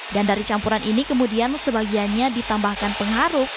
dan dari campuran ini kemudian sebagiannya ditambahkan pengharuk